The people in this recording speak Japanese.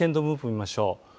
見ましょう。